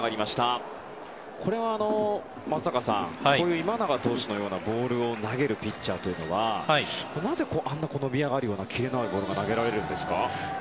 これは松坂さん今永投手のようなボールを投げるピッチャーというのはまぜあんなキレのあるボールが投げられるんですか？